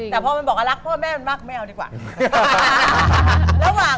แต่พอมันบอกว่ารักพ่อแม่มันมากไม่เอาดีกว่า